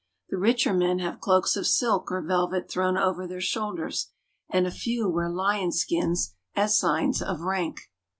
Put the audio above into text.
The richer men have cloaks of silk or velvet thrown over their shoulders, and a few wear lion skins as signs of rank.